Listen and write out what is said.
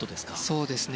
そうですね。